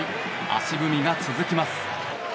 足踏みが続きます。